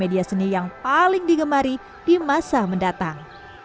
media seni yang paling digemari di masa mendatang